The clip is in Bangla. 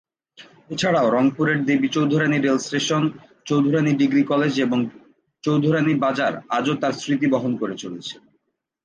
এছাড়াও রংপুরের Debi Chaudhurani rail station, Chaudhurani degree college এবং চৌধুরানী বাজার আজও তার স্মৃতি বহন করে চলেছে।